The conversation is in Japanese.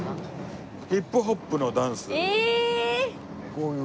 こういう。